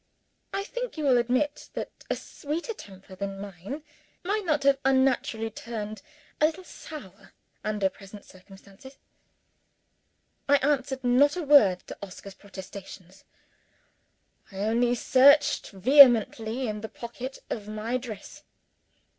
I think you will admit that a sweeter temper than mine might have not unnaturally turned a little sour under present circumstances. I answered not a word to Oscar's protestations I only searched vehemently in the pocket of my dress.